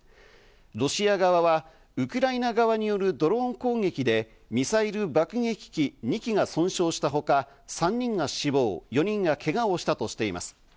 ロシア側はウクライナ側によるドローン攻撃でミサイル爆撃機２機が損傷したほか、３人が死亡、４人がけがをしたとしています。